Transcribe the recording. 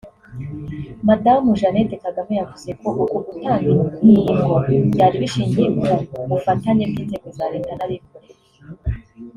Madamu Jeannette Kagame yavuze ko uku gutanga inkingo byari bishingiye ku bufatanye bw’inzego za leta n’abikorera